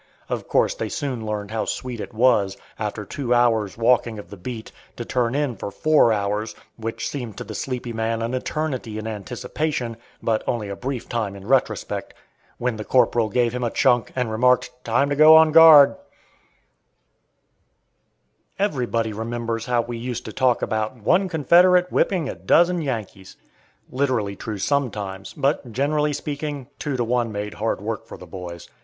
Of course they soon learned how sweet it was, after two hours' walking of the beat, to turn in for four hours! which seemed to the sleepy man an eternity in anticipation, but only a brief time in retrospect, when the corporal gave him a "chunk," and remarked, "Time to go on guard." [Illustration: FALL IN HERE THIRD RELIEF!] Everybody remembers how we used to talk about "one Confederate whipping a dozen Yankees." Literally true sometimes, but, generally speaking, two to one made hard work for the boys.